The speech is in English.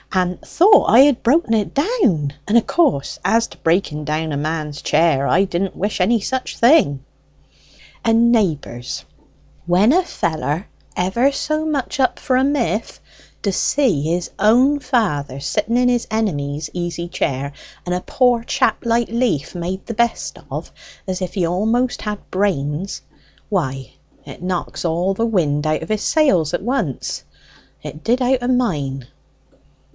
and thought I had broke it down: and of course as to breaking down a man's chair, I didn't wish any such thing." "And, neighbours, when a feller, ever so much up for a miff, d'see his own father sitting in his enemy's easy chair, and a poor chap like Leaf made the best of, as if he almost had brains why, it knocks all the wind out of his sail at once: it did out of mine."